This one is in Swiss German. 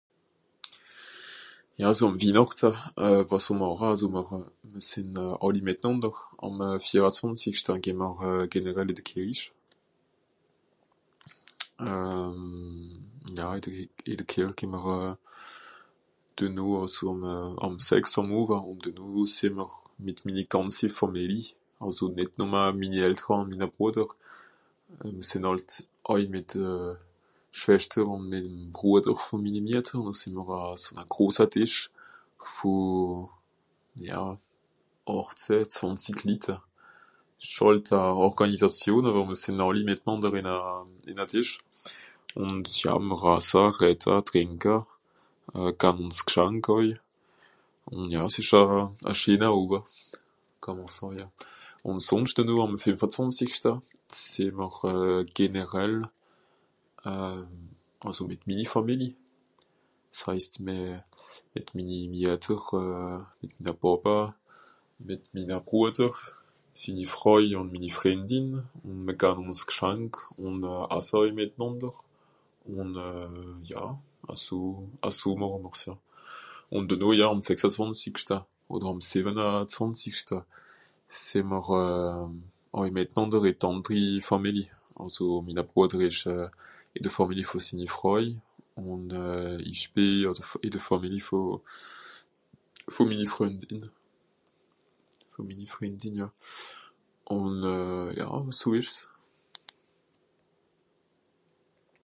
Ja àlso Wihnàchte, euh... wàs mr màche, àlso mr... mìr sìnn àlli mìtnànder, àm euh... vierazwànzigschta geh mr euh generell ìn de Kìrrich. Euh... Ja ì d... ì d Kìrrch geh mr euh... dennoh àls àm euh... àm sechs àm Owa ùn dennoh sìì mr mìt minni gànzi Fàmili, àlso nìt nùmma minni Eltera ùn minni Bruader, euh... sìnn hàlt àui mìt euh... Schweschter ùn mìt'm Bruader vùn minni Mietter mìr màcha... so a grosa Tìsch vo... ja... àchtzeh zwànzig Litt. (...) Organisation àwer mìr sìnn àlli mìtnànder ìn a... ìn a Tìsch. Ùnd... ja mìr assa, redda, trìnka euh... gan ùns Gschank àui. Ùn ja s'ìsch a... a scheena Owa. Kà mr sàja. Ùn sùnscht dennoh àm fìmfazwànzigschta, sìì mr euh... generell euh... àlso mìt minni Fàmili. S'heist mì... mìt minni Miater euh... minna pàppe, mìt minna Bruader, sinni Fràui ùn minni Frìndin ùn mìr gan ùns Gschank ùn euh... assa àui mìtnànder ùn euh... ja... aso... aso màche mr's ja. Ùn dennoh ja àm sechsazwànzigschta, odder àm sìwenazwànzigschta sìì'mr àui mìtnànder ìn d'àndri Fàmili. Àlso minna Bruader ìsch euh... ìn de Famili vùn sinni Fràui ùn euh... ìch bì ìn de Famili vù... vù minni Frìndin, vù minni Frìndin ja. Ùn euh... so ìsch's.